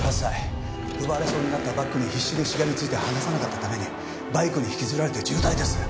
奪われそうになったバッグに必死にしがみついて離さなかったためにバイクに引きずられて重体です。